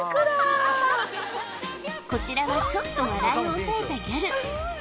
こちらはちょっと笑いを抑えたギャル